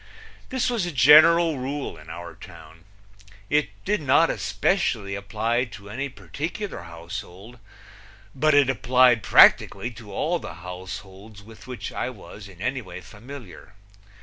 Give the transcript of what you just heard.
This was a general rule in our town. It did not especially apply to any particular household, but it applied practically to all the households with which I was in any way familiar.